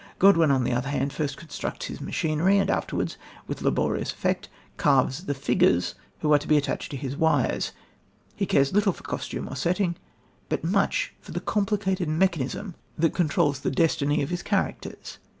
Godwin, on the other hand, first constructs his machinery, and afterwards, with laborious effort, carves the figures who are to be attached to the wires. He cares little for costume or setting, but much for the complicated mechanism that controls the destiny of his characters.